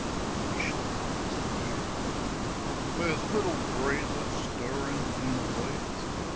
I wisht that I wus dead! , Ther's little breezes stirrin' in the leaves.